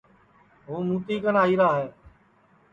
ہوں مُتی کن آئیرا ہے